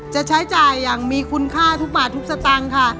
จะใช้จ่ายอย่างมีคุณค่าทุกบาททุกสตางค์ค่ะ